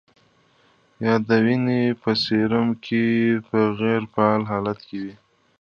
یا د وینې په سیروم کې په غیر فعال حالت کې وي.